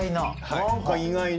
何か意外な。